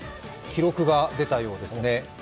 記録が出たようですね。